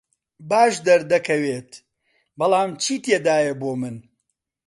باش دەردەکەوێت، بەڵام چی تێدایە بۆ من؟